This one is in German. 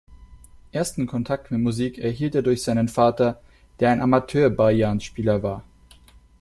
Ersten Kontakt mit Musik erhielt er durch seinen Vater, der ein Amateur-Bajan-Spieler war.